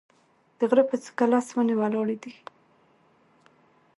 د غره په څوک لس ونې ولاړې دي